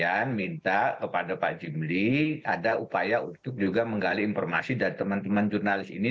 saya minta kepada pak jimli ada upaya untuk juga menggali informasi dari teman teman jurnalis ini